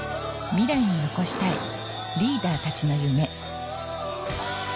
未来に残したいリーダーたちの夢。